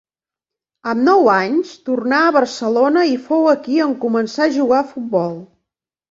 Amb nou anys, tornà a Barcelona i fou aquí on començà a jugar a futbol.